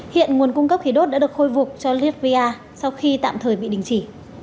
hiện nguồn cung cấp khí đốt đã được khôi vục cho litva sau khi tạm thời bị đình chỉ